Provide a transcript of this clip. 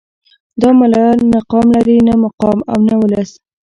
دا ملايان نه قام لري نه مقام او نه ولس.